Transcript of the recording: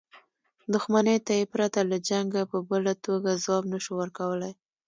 دښمنۍ ته یې پرته له جنګه په بله توګه ځواب نه شو ورکولای.